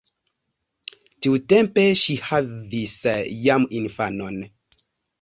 Tiutempe ŝi havis jam infanon.